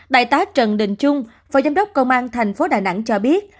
đại tá trần đình trung phó giám đốc công an thành phố đà nẵng cho biết